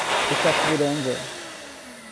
Itapuranga